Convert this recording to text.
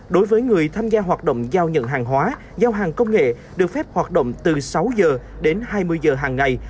đối với người tham gia hoạt động giao nhận hàng hóa giao hàng công nghệ được phép hoạt động từ sáu h đến hai mươi h hàng ngày